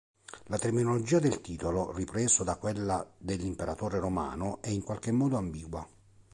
La terminologia del titolo, ripreso da quella dell'imperatore romano, è in qualche modo ambigua.